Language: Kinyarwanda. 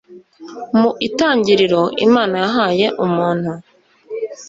Mu itangiriro Imana yahaye umuntu